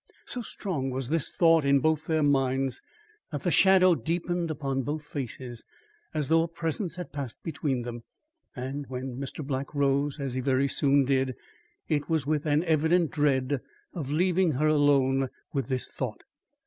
So strong was this thought in both their minds, that the shadow deepened upon both faces, as though a presence had passed between them; and when Mr. Black rose, as he very soon did, it was with an evident dread of leaving her alone with this thought.